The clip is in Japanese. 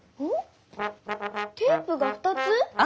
テープがふたつ？